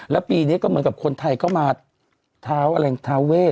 แล้วปีนี้ก็เหมือนกับคนไทยก็มาเท้าอะไรทาเวท